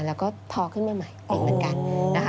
แล้วก็ทอขึ้นมาใหม่อีกเหมือนกันนะคะ